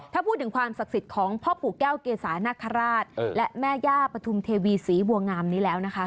ถ้าพูดถึงความศักดิ์สิทธิ์ของพ่อปู่แก้วเกษานคราชและแม่ย่าปฐุมเทวีศรีบัวงามนี้แล้วนะคะ